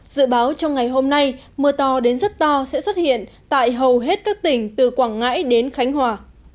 dự báo trong ngày hôm nay mưa to đến rất to sẽ xuất hiện tại hầu hết các tỉnh từ quảng ngãi đến khánh hòa